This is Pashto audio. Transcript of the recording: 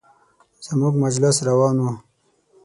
زموږ مجلس روان و.